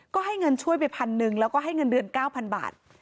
ก็ให้เงินช่วยไปพันหนึ่งแล้วก็ให้เงินเดือน๙๐๐บาท